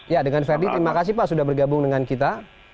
ya dengan verdi terima kasih pak sudah bergabung dengan kita